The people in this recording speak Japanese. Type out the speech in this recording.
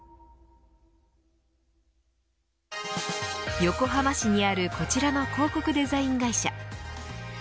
横浜市にあるこちらの広告デザイン会社。